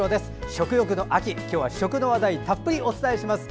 食欲の秋、今日は食の話題たっぷりお伝えします。